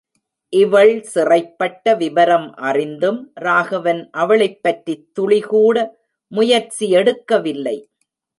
இவள் சிறைப்பட்ட விபரம் அறிந்தும், ராகவன் அவளைப்பற்றித் துளிகூட முயற்சி எடுக்கவில்லை.